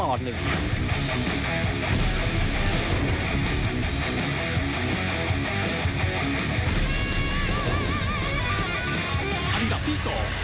อันดับที่๒